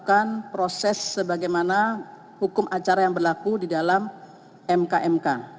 melakukan proses sebagaimana hukum acara yang berlaku di dalam mkmk